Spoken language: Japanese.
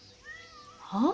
はあ？